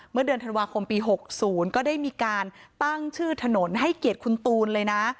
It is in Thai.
เมื่อเดือนธันวาคมปี๖๐ก็ได้มีการตั้งชื่อถนนให้เกียรติคุณตูนเลยนะ